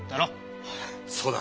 そうだ！